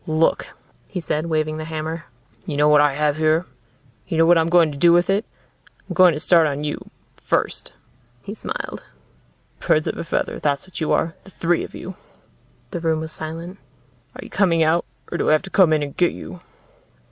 "Look," he said, waving the hammer. "You know what I have here? You know what I'm going to do with it? I'm going to start on you first." He smiled. "Birds of a feather, that's what you are the three of you." The room was silent. "Are you coming out? Or do I have to come in and get you?"